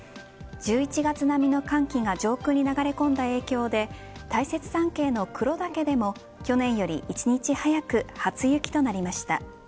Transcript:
１１月並みの寒気が上空に流れ込んだ影響で大雪山系の黒岳でも去年より１日早く初雪となりました。